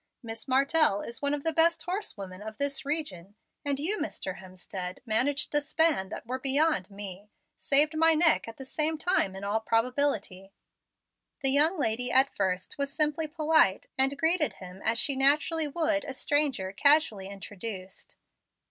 Miss Martell is one of the best horsewomen of this region, and you, Mr. Hemstead, managed a span that were beyond me, saved my neck at the same time, in all probability." The young lady at first was simply polite, and greeted him as she naturally would a stranger casually introduced.